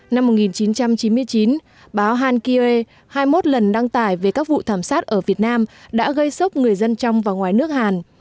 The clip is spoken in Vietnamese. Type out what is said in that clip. năm một nghìn chín trăm chín mươi chín báo hankir hai mươi một lần đăng tải về các vụ thảm sát ở việt nam đã gây sốc người dân trong và ngoài nước hàn